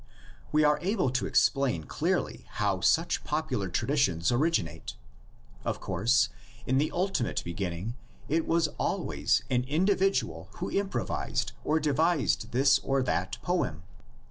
We are able to explain clearly how such popular traditions originate. Of course, in the ultimate beginning it was always an individual who improvised or devised this or that poem.